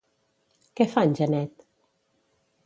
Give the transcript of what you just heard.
Què fa en Janet?